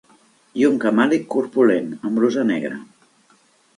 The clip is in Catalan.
I un camàlic corpulent, amb brusa negra